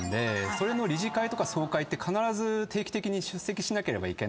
それの理事会とか総会って必ず定期的に出席しなければいけない。